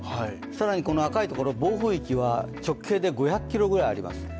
更にこの赤い所、暴風域は直径で５００ｋｍぐらいあります。